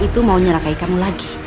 itu mau nyerakahi kamu lagi